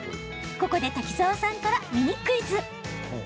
ここで、滝沢さんからミニクイズ。